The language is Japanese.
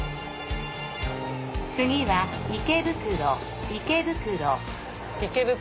次は池袋池袋。